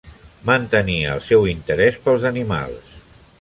Mantenia el seu interès pels animals.